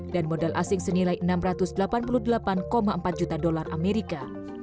dan modal asing senilai enam ratus delapan puluh delapan empat juta dolar amerika